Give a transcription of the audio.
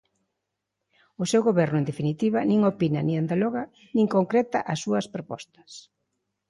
O seu Goberno, en definitiva, nin opina nin dialoga nin concreta as súas propostas.